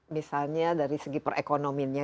misalnya dari segi perekonomiannya